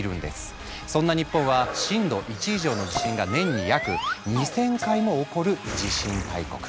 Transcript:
そんな日本は震度１以上の地震が年に約２，０００回も起こる地震大国。